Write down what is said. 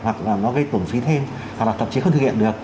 hoặc là nó gây tổng phí thêm hoặc là tập trí không thực hiện được